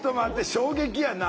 衝撃やな。